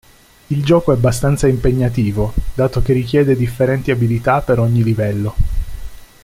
Il gioco è abbastanza impegnativo, dato che richiede differenti abilità per ogni livello.